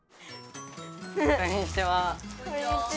こんにちは。